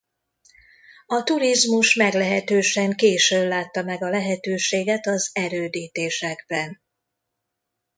A turizmus meglehetősen későn látta meg a lehetőséget az erődítésekben.